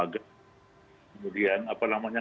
kemudian apa namanya